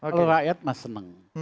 kalau rakyat masih seneng